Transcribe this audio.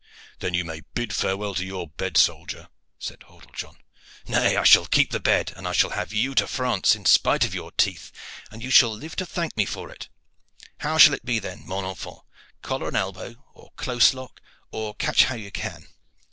"Then you may bid farewell to your bed, soldier," said Hordle John. "Nay; I shall keep the bed, and I shall have you to France in spite of your teeth, and you shall live to thank me for it. How shall it be, then, mon enfant? Collar and elbow, or close lock, or catch how you can?"